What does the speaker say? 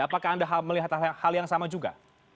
apakah anda melihat hal yang sama juga